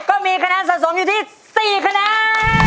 ก็มีคะแนนสะสมอยู่ที่๔คะแนน